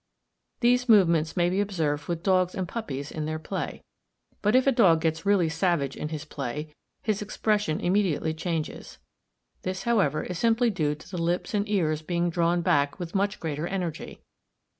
These movements may be observed with dogs and puppies in their play. But if a dog gets really savage in his play, his expression immediately changes. This, however, is simply due to the lips and ears being drawn back with much greater energy.